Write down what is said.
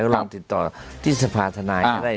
ลองติดต่อที่สภาธนายก็ได้